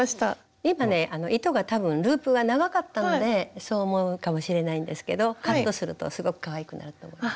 今ね糸が多分ループが長かったんでそう思うかもしれないんですけどカットするとすごくかわいくなると思います。